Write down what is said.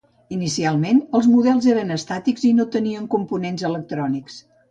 Inicialment, els models eren estàtics i no tenien components electrònics.